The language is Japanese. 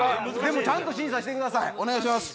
ちゃんと審査してください。